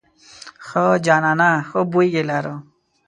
ښه جانانه خوی بوی یې لاره.